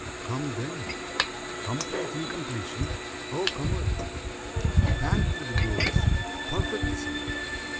Come then, complete incompletion, O comer, Pant through the blueness, perfect the summer!